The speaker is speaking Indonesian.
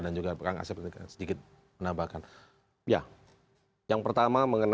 dan juga pak angasya sedikit penambahkan